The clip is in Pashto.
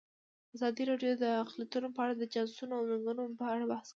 ازادي راډیو د اقلیتونه په اړه د چانسونو او ننګونو په اړه بحث کړی.